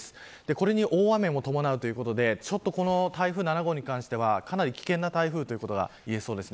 これに大雨も伴うということでこの台風７号に関してはかなり危険な台風ということが言えそうです。